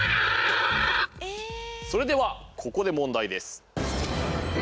それではここで問題です。